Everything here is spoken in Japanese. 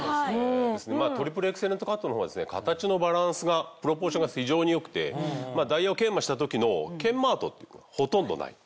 トリプルエクセレントカットの方はですね形のバランスがプロポーションが非常に良くてダイヤを研磨した時の研磨跡ほとんどない。